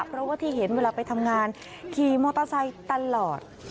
เพราะว่าที่เห็นเวลาไปทำงานขี่มอเตอร์ไซค์ตลอด